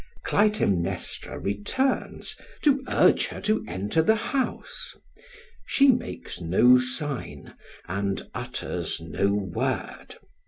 Clytemnestra returns to urge her to enter the house; she makes no sign and utters no word.